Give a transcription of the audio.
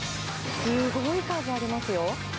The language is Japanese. すごい数ありますよ。